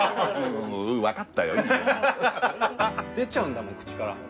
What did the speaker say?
出ちゃうんだもん口から。